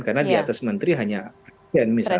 karena di atas menteri hanya presiden misalnya